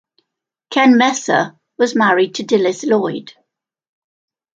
Ken Messer was married to Dilys Lloyd.